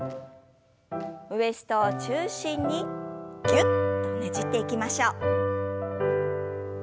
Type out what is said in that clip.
ウエストを中心にぎゅっとねじっていきましょう。